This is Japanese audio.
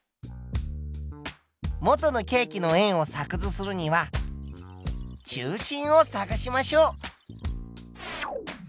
元のケーキの円を作図するには中心を探しましょう。